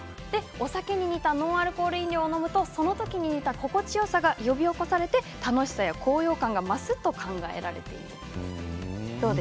お酒に似たノンアルコール飲料を見るとその時に得た心地よさが呼び起こされて楽しさや高揚感が増すと考えられているんです。